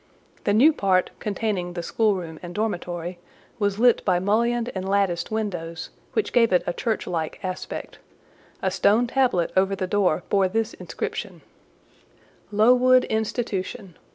The new part, containing the schoolroom and dormitory, was lit by mullioned and latticed windows, which gave it a church like aspect; a stone tablet over the door bore this inscription:— LOWOOD INSTITUTION.